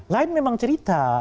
lain memang cerita